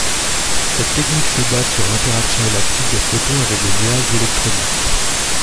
Cette technique se base sur l’interaction élastique des photons avec les nuages électroniques.